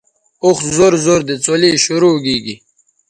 اوخ زور زور رے څلے شروع گی